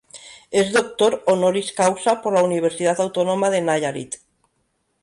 Es doctor honoris causa por la Universidad Autónoma de Nayarit.